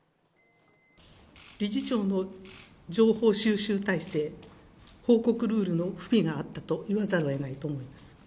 理事長の情報収集体制、報告ルールの不備があったと言わざるをえないと思います。